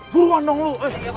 buruan dong lu